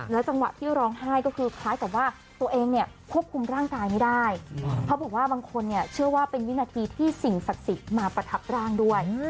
จังหวะที่ร้องไห้ก็คือคล้ายกับว่าตัวเองเนี่ยควบคุมร่างกายไม่ได้เขาบอกว่าบางคนเนี่ยเชื่อว่าเป็นวินาทีที่สิ่งศักดิ์สิทธิ์มาประทับร่างด้วย